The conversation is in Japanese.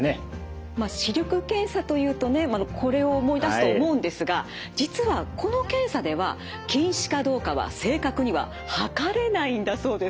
まあ視力検査というとねこれを思い出すと思うんですが実はこの検査では近視かどうかは正確には測れないんだそうです。